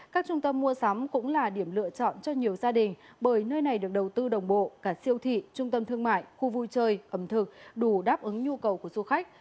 các trung tâm mua sắm cũng là điểm lựa chọn cho nhiều gia đình bởi nơi này được đầu tư đồng bộ cả siêu thị trung tâm thương mại khu vui chơi ẩm thực đủ đáp ứng nhu cầu của du khách